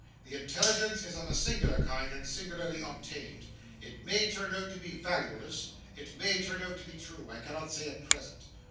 The intelligence is of a singular kind, and singularly obtained. It may turn out to be valueless; it may turn out to be true; I cannot say at present.